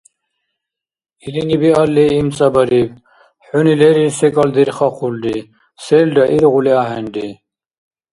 Илини биалли имцӀабариб: — ХӀуни лерил секӀал дирхахъулри… селра иргъули ахӀенри!